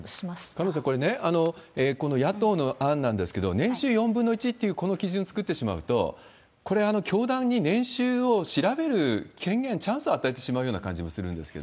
菅野さん、この野党の案なんですけど、年収４分の１っていうこの基準作ってしまうと、これ、教団に年収を調べる権限、チャンスを与えてしまうような感じもするんですけ